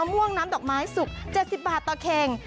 ม่วงน้ำดอกไม้สุก๗๐บาทต่อเข่ง